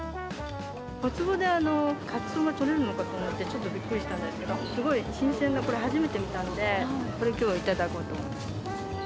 小坪でカツオが取れるのかと思ってちょっとびっくりしたんですけど、すごい新鮮な、これ初めて見たんで、これ、きょう頂こうと思います。